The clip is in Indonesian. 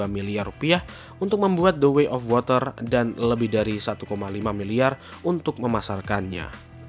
dua miliar rupiah untuk membuat the way of water dan lebih dari satu lima miliar untuk memasarkannya